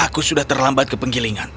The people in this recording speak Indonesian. aku sudah terlambat ke penggilingan